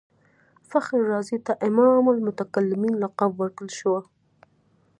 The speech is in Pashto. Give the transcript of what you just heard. فخر رازي ته امام المتکلمین لقب ورکړل شو.